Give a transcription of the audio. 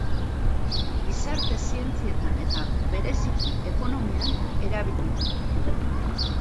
Gizarte zientzietan, eta bereziki ekonomian, erabili da.